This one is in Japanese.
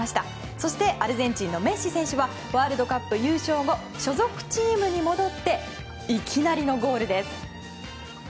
そしてアルゼンチンのメッシ選手はワールドカップ優勝後所属チームに戻っていきなりのゴールです。